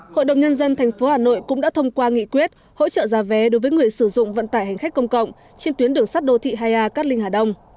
hội đồng nhân dân tp hà nội cũng đã thông qua nghị quyết hỗ trợ giá vé đối với người sử dụng vận tải hành khách công cộng trên tuyến đường sắt đô thị hai a cát linh hà đông